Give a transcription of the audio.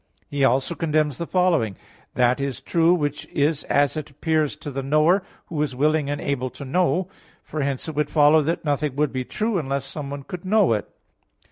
He also condemns the following, "That is true which is as it appears to the knower, who is willing and able to know," for hence it would follow that nothing would be true, unless someone could know it.